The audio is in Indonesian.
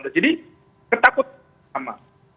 jadi ketakutan sama